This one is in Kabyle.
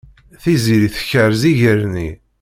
Tiziri tekrez iger-nni.